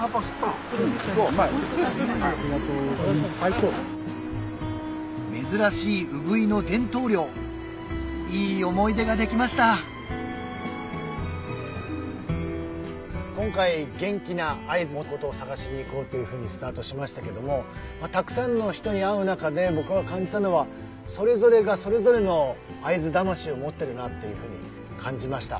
・うまい・・最高・珍しいウグイの伝統漁いい思い出ができました今回元気な会津のことを探しに行こうというふうにスタートしましたけどもたくさんの人に会う中で僕が感じたのはそれぞれがそれぞれの会津魂を持ってるなっていうふうに感じました。